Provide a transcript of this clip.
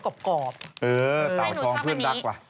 เออจะอองกลงื่นรักวะ